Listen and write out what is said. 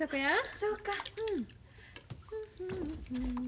そうか。